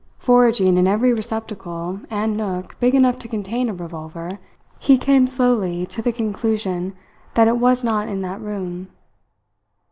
Foraging in every receptacle and nook big enough to contain a revolver, he came slowly to the conclusion that it was not in that room.